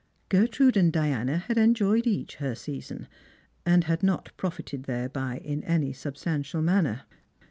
Gertrude and Diana had enjoyed each her season, and had not profited thereby in any substantial manner.